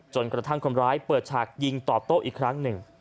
จนกระทั่งคนร้ายเปิดฉากยิงตอบโต้อีกครั้งหนึ่ง